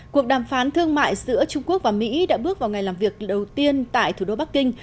cuộc đàm phán thương mại giữa trung quốc và mỹ đã bước vào ngày làm việc đầu tiên tại thủ đô bắc kinh